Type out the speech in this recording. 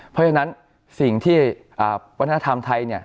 เพราะฉะนั้นสิ่งที่วัฒนธรรมไทย